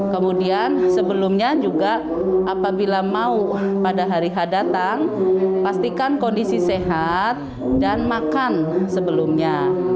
kemudian sebelumnya juga apabila mau pada hari h datang pastikan kondisi sehat dan makan sebelumnya